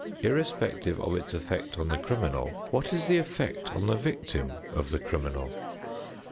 Irrespective of its effect on the criminal, what is the effect on the victim of the criminal?